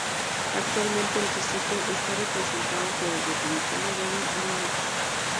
Actualmente el distrito está representado por el Republicano Devin Nunes.